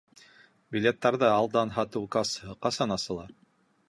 Билеттарҙы алдан һатыу кассаһы ҡасан асыла?